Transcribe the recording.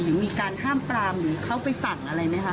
หรือมีการห้ามปรามหรือเขาไปสั่งอะไรไหมคะ